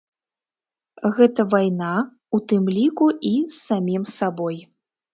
Гэта вайна, у тым ліку і з самім сабой.